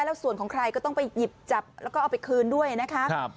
แล้วส่วนของใครก็ต้องไปหยิบจับแล้วก็เอาไปคืนด้วยนะคะ